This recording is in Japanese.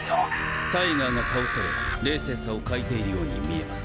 タイガーが倒され冷静さを欠いているように見えます。